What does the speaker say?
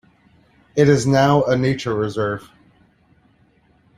It is now a nature reserve.